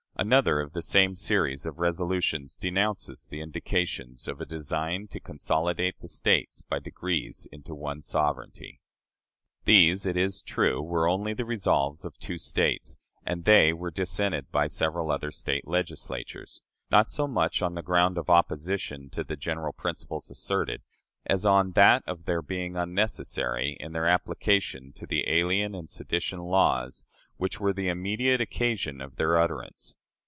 Another of the same series of resolutions denounces the indications of a design "to consolidate the States by degrees into one sovereignty." These, it is true, were only the resolves of two States, and they were dissented from by several other State Legislatures not so much on the ground of opposition to the general principles asserted as on that of their being unnecessary in their application to the alien and sedition laws, which were the immediate occasion of their utterance.